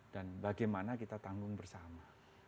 dan bagaimana kita tanggung bersama